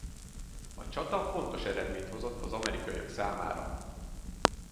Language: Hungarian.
A csata fontos eredményt hozott az amerikaiak számára.